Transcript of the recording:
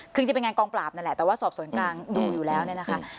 คือจริงเป็นงานกองปราบนั่นแหละแต่ว่าสอบสวนกลางดูอยู่แล้วเนี่ยนะคะ